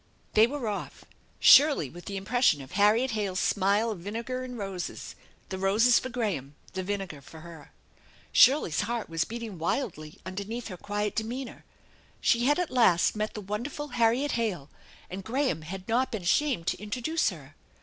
They were off, Shirley with the impression of Harriet Hale's smile of vinegar and roses; the roses for Graham, the vinegar for her. Shirley's heart was beating wildly under neath her quiet demeanor. She had at last met the wonderful Harriet Hale, and Graham had not been ashamed to intro duce her!